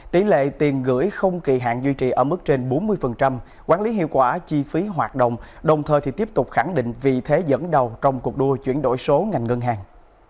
tỷ lệ tiền gửi không kỳ hạn duy trì ở mức trên bốn mươi quán lý hiệu quả chi phí hoạt động đồng thời tiếp tục khẳng định vị thế dẫn đầu trong cuộc đua chuyển đổi số ngành ngân hàng